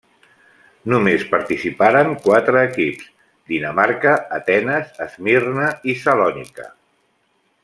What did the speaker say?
Només participaren quatre equips, Dinamarca, Atenes, Esmirna i Salònica.